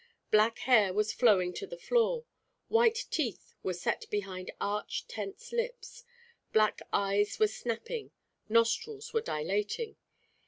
Black hair was flowing to the floor; white teeth were set behind arch tense lips; black eyes were snapping; nostrils were dilating.